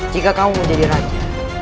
jika kamu menjadi raja